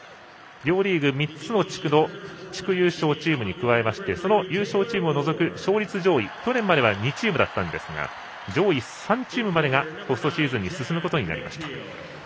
両リーグ３つの地区の地区優勝チームに加えましてその優勝チームを除く勝率上位去年まで２チームだったんですが上位３チームまでがポストシーズンに進むことになりました。